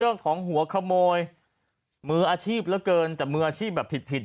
เรื่องของหัวขโมยมืออาชีพระเกินแต่มืออาชีพแบบผิด